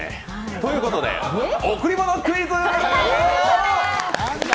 ということで、贈り物クイズ。